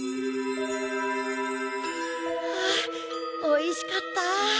ああおいしかった。